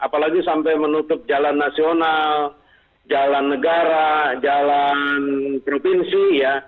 apalagi sampai menutup jalan nasional jalan negara jalan provinsi ya